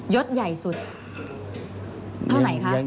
ศใหญ่สุดเท่าไหนคะ